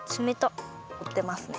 こおってますね。